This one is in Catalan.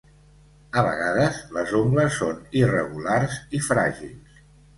A vegades les ungles són irregulars i fràgils.